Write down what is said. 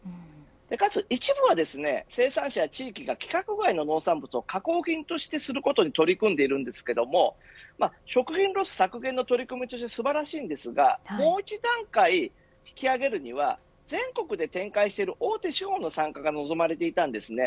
かつ、一部は生産者や地域が規格外の農産物を加工品にすることに取り組んでいるんですけれど食品ロス削減の取り組みとして素晴らしいんですがもう１段階引き上げるには全国で展開している大手資本の参加が望まれていたんです。